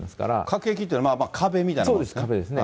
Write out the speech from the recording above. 隔壁っていうのは壁みたいなものですか。